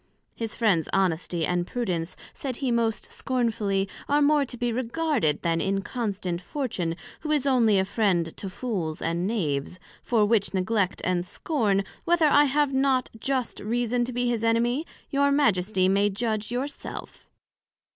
His Friends Honesty and Prudence, said he most scornfully, are more to be regarded, than Inconstant Fortune, who is onely a friend to Fools and Knaves; for which neglect and scorn, whether I have not just reason to be his enemy, your Majesty may judg your self.